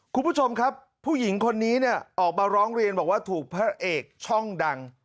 คุณผู้ชมครับผู้หญิงคนนี้เนี่ยออกมาร้องเรียนบอกว่าถูกพระเอกช่องดัง